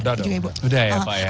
udah ya pak